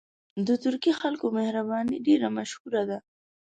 د ترکي خلکو مهرباني ډېره مشهوره ده.